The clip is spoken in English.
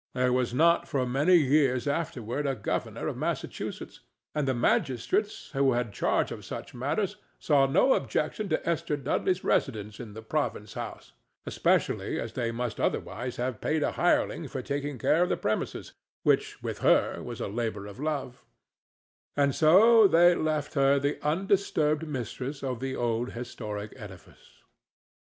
There was not for many years afterward a governor of Massachusetts, and the magistrates who had charge of such matters saw no objection to Esther Dudley's residence in the province house, especially as they must otherwise have paid a hireling for taking care of the premises, which with her was a labor of love; and so they left her the undisturbed mistress of the old historic edifice.